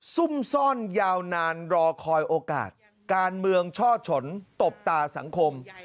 ซุ่มซ่อนยาวนานรอคอยโอกาสการเมืองช่อฉนตบตาสังคม